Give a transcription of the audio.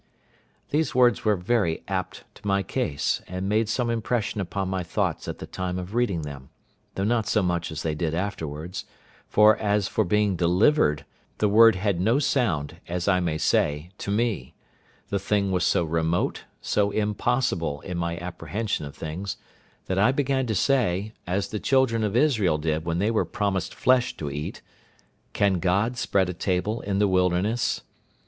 These words were very apt to my case, and made some impression upon my thoughts at the time of reading them, though not so much as they did afterwards; for, as for being delivered, the word had no sound, as I may say, to me; the thing was so remote, so impossible in my apprehension of things, that I began to say, as the children of Israel did when they were promised flesh to eat, "Can God spread a table in the wilderness?"